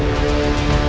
aku akan menangkapmu